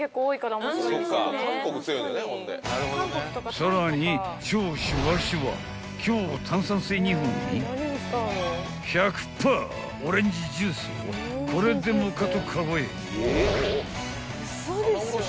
［さらに超しゅわしゅわ強炭酸水２本に１００％オレンジジュースをこれでもかとカゴへ］